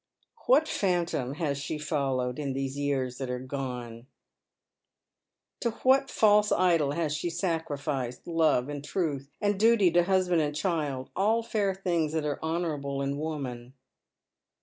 What phantom has she followed in these years that are gone ? To what false idol has she sacrificed love and truth, and duty to husband and child, all fair things that are honourable in woman